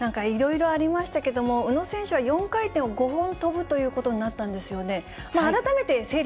いろいろありましたけども、宇野選手は４回転を５本跳ぶということになったんですよね。